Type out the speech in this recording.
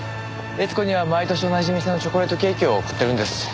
悦子には毎年同じ店のチョコレートケーキを贈ってるんです。